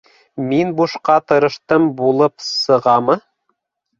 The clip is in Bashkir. - Мин бушҡа тырыштым булып сығамы?!